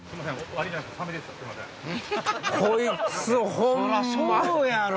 そらそうやろ！